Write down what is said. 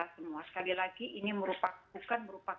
konektivitas yang di awal awal sulit sekali